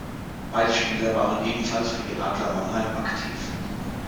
Beide Spieler waren ebenfalls für die Adler Mannheim aktiv.